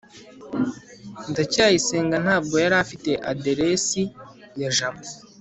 ndacyayisenga ntabwo yari afite aderesi ya jabo